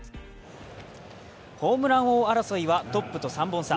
ホームラン王争いはトップと３本差。